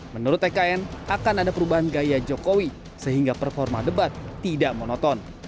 menurut tkn akan ada perubahan gaya jokowi sehingga performa debat tidak monoton